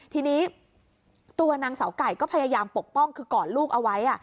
ทีนี้ตัวนางเสาไก่ก็พยายามปกป้องคือกอดลูกเอาไว้